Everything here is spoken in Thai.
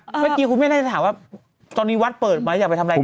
เมื่อกี้คุณแม่น่าจะถามว่าตอนนี้วัดเปิดไหมอยากไปทำอะไร